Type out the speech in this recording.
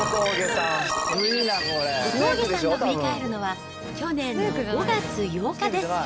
小峠さんが振り返るのは去年の５月８日です。